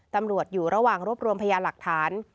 ตำรวจอยู่ระหว่างรวบรวมพยานหลักฐาน